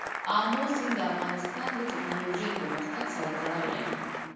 آمو سیند د افغانستان د تکنالوژۍ پرمختګ سره تړاو لري.